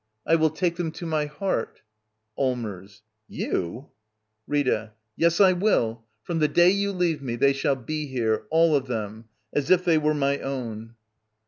I will take them to my heart. Allmers. You J Rita. Yes, I will ! From the day you leave me, they shall be here, all of them — as if they were my own.